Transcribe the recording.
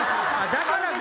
だからか。